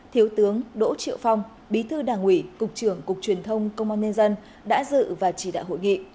thiếu tướng đỗ triệu phong bí thư đảng ủy cục trưởng cục truyền thông công an nhân dân đã dự và chỉ đạo hội nghị